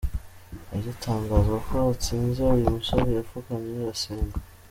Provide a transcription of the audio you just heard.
Agitangazwa ko atsinze, uyu musore yapfukamye arasenga.